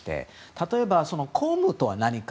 例えば公務とは何か。